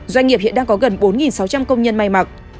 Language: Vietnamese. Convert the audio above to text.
doanh nghiệp hiện đang có gần bốn sáu trăm linh công nhân may mặc